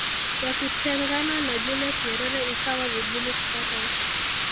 ya kutengana na Julius Nyerere ikawa vigumu kupata